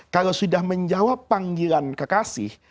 kalau sudah menjawab panggilan kekasih